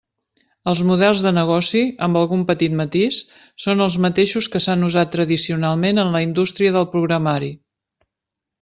Els models de negoci, amb algun petit matís, són els mateixos que s'han usat tradicionalment en la indústria del programari.